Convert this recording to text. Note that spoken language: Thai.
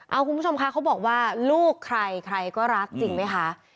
เอาคุณผู้ชมคะเขาบอกว่าลูกใครใครก็รักจริงไหมคะ